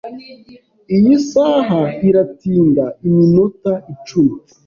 Iyi saha iratinda iminota icumi.